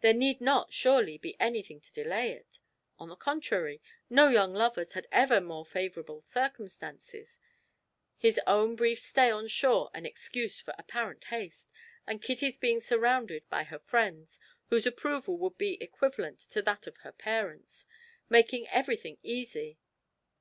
There need not, surely, be anything to delay it; on the contrary, no young lovers had ever more favourable circumstances, his own brief stay on shore an excuse for apparent haste, and Kitty's being surrounded by her friends, whose approval would be equivalent to that of her parents, making everything easy.